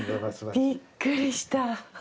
びっくりした。